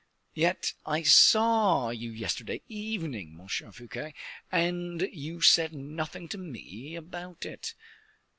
"Yet I saw you yesterday evening, Monsieur Fouquet, and you said nothing to me about it."